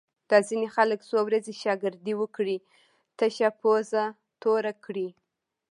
دا ځینې خلک څو ورځې شاگردي وکړي، تشه پوزه توره کړي